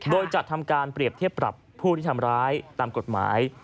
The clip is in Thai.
โดยจัดทำการเปรียบเทียบปรับผู้ที่ทำร้ายตามกฎหมาย